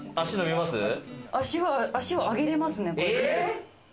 足は上げれますね。